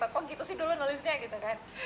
kok gitu sih dulu nulisnya gitu kan